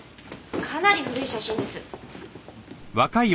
かなり古い写真です。